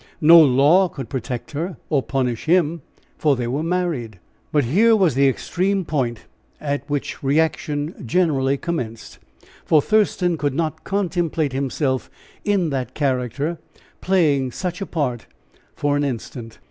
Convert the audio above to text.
No law could protect her or punish him for they were married. But here was the extreme point at which reaction generally commenced, for Thurston could not contemplate himself in that character playing such a part, for an instant.